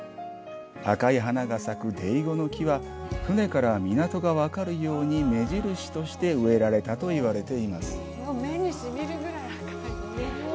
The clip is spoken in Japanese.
赤い花が咲くデイゴの木は船から港が分かるように目印として植えられたといわれています。